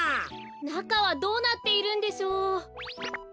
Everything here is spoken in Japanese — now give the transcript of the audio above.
なかはどうなっているんでしょう？